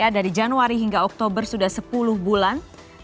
dari januari hingga oktober sudah sepuluh bulan